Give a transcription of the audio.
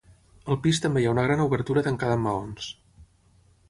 Al pis també hi ha una gran obertura tancada amb maons.